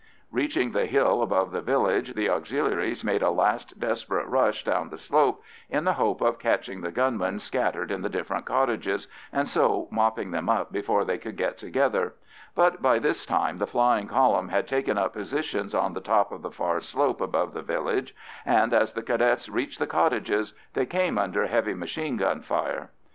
Reaching the hill above the village the Auxiliaries made a last desperate rush down the slope, in the hope of catching the gunmen scattered in the different cottages, and so mopping them up before they could get together; but by this time the flying column had taken up positions on the top of the far slope above the village, and as the Cadets reached the cottages they came under heavy machine gun fire.